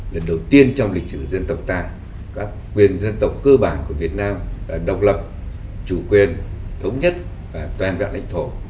lần đầu tiên trong lịch sử dân tộc ta các quyền dân tộc cơ bản của việt nam là độc lập chủ quyền thống nhất và toàn vạn lãnh thổ